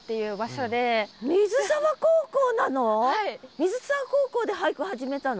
水沢高校で俳句始めたの？